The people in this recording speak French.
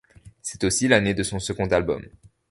C'est aussi l'année de son second album.